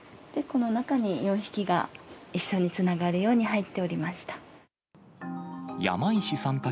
この中に４匹が一緒につながるように入っておりました。